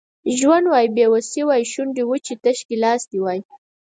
ژوند وای بې وسي وای شونډې وچې تش ګیلاس دي وای